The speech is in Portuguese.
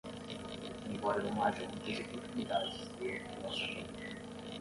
Embora não haja muitas oportunidades de entrelaçamento